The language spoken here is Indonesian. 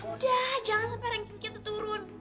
udah jangan sampe ranking kita turun